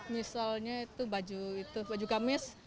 misalnya itu baju itu baju gamis